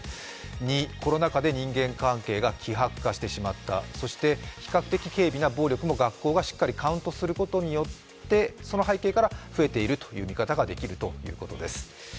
２、コロナ禍で人間関係が希薄化してしまったそして比較的軽微な暴力も学校がしっかりカウントするようになった、その背景から増えているという見方ができるということです。